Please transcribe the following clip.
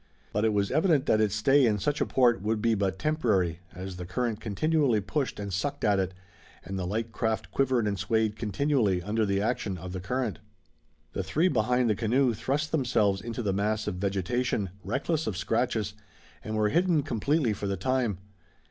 But it was evident that its stay in such a port would be but temporary, as the current continually pushed and sucked at it, and the light craft quivered and swayed continually under the action of the current. The three behind the canoe thrust themselves back into the mass of vegetation, reckless of scratches, and were hidden completely for the time.